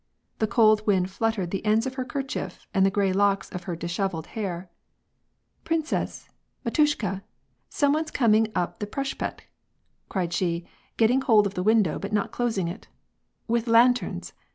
The cold wind fluttered the ends, of her kerchief and the gray locks o^ her dishevelled hair. " Princess ! matushka ! some one's coming up the preshpekt" cried she, getting hold of the window, but not closing it, "With lanterns